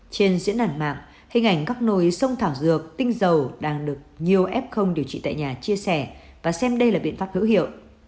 trên diễn đàn mạng hình ảnh góc nồi sông thảo dược tinh dầu đang được nhiều f điều trị tại nhà chia sẻ và xem đây là biện pháp hữu hiệu